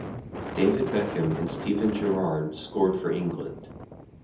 David Beckham and Steven Gerrard scored for England.